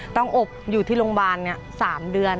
ต้องอบอยู่ที่โรงพยาบาล๓เดือน